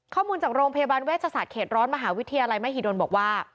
ข้อมูลจากโรงพยาบาลเวชศาสตเขตร้อนมหาวิทยาลัยมหิดลบอกว่า